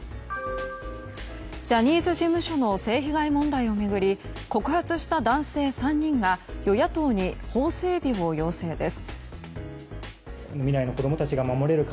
ジャニーズ事務所の性被害問題を巡り告発した男性３人が与野党に法整備を要請です。